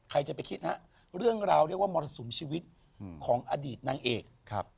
ใครจะไปคิดฮะเรื่องราวเรียกว่ามรสุมชีวิตของอดีตนางเอก